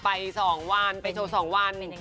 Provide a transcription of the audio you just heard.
ไปสองวันไปโชว์สองวัน